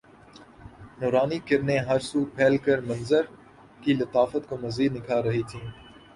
نورانی کرنیں ہر سو پھیل کر منظر کی لطافت کو مزید نکھار رہی تھیں